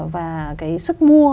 và cái sức mua